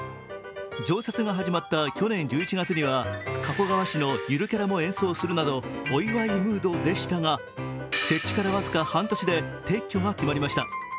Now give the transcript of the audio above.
常設が始まった去年１１月には加古川市のゆるキャラも演奏するなどお祝いムードでしたが設置から僅か半年で撤去が決まりました。